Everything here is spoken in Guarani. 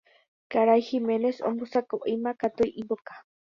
Karai Giménez ombosako'íma katu imboka.